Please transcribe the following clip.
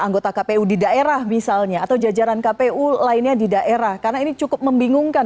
anggota kpu di daerah misalnya atau jajaran kpu lainnya di daerah karena ini cukup membingungkan